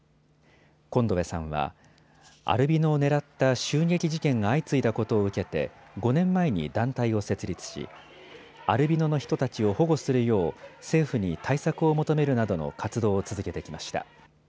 コンドウェさんはアルビノを狙った襲撃事件が相次いだことを受けて５年前に団体を設立しアルビノの人たちを保護するよう政府に対策を求めるなどの活動を続けてきました。